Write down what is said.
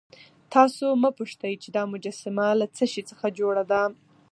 تاسو مه پوښتئ چې دا مجسمه له څه شي څخه جوړه ده.